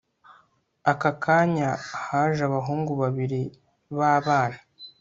aka kanya haje abahungu babiri b abana